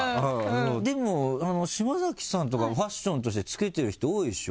でも島崎さんとかファッションとしてつけてる人多いでしょ？